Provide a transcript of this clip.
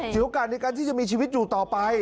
โอกาสในการที่จะมีชีวิตอยู่ต่อไป